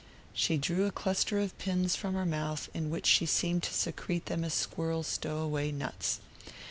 She drew a cluster of pins from her mouth, in which she seemed to secrete them as squirrels stow away nuts.